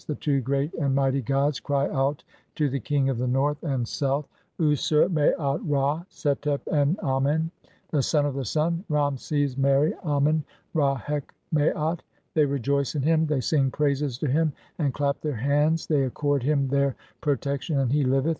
The two great "and mighty gods cry out to the King of the North and South "(Usr Maat Ra setep en Amen) , the son of the Sun, (Ra meses "meri Amcn Ra heq Maat\ they rejoice in him, they sing praises "to (i3) him [and clap] their hands, they accord him their pro "tection, and he liveth.